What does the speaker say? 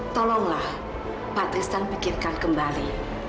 tolonglah patris dan pikirkan kembali